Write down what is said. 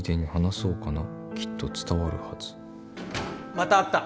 またあった。